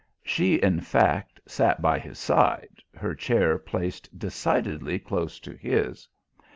She, in fact, sat by his side, her chair placed decidedly close to his.